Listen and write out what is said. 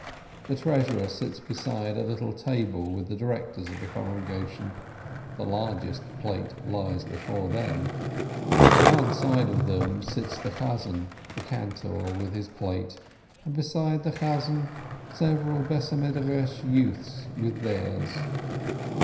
The treasurer sits beside a little table with the directors of the congregation; the largest plate lies before them. To one side of them sits the cantor with his plate, and beside the cantor, several house of study youths with theirs.